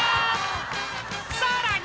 ［さらに］